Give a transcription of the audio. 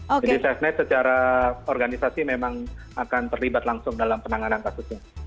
jadi safenet secara organisasi memang akan terlibat langsung dalam penanganan kasusnya